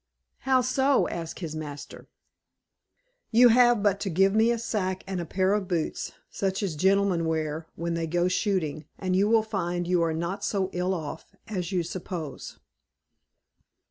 "How so?" asked his master. "You have but to give me a sack, and a pair of boots such as gentlemen wear when they go shooting, and you will find you are not so ill off as you suppose."